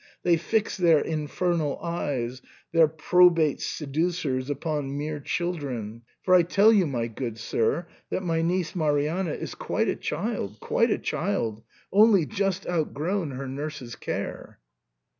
They fix their infernal eyes, there probate seducers, upon mere children. For I tell you, my good sir, that my niece Marianna is quite a child, quite a child, only just out grown her nurse's care."